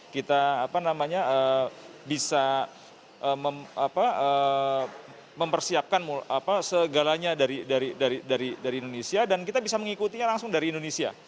kita bisa mempersiapkan segalanya dari indonesia dan kita bisa mengikutinya langsung dari indonesia